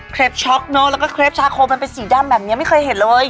ช็อกเนอะแล้วก็เครปชาโคมันเป็นสีดำแบบนี้ไม่เคยเห็นเลย